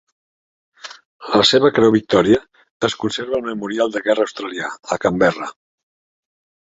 La seva Creu Victòria es conserva al Memorial de Guerra Australià, a Canberra.